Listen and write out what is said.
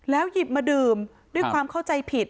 หยิบมาดื่มด้วยความเข้าใจผิด